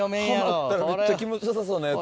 はまったらめっちゃ気持ちよさそうなやつ。